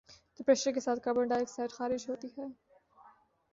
تو پر یشر کے ساتھ کاربن ڈائی آکسائیڈ خارج ہوتی ہے